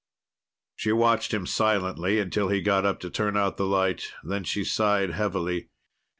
She watched him silently until he got up to turn out the light. Then she sighed heavily.